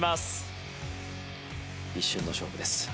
一瞬の勝負です。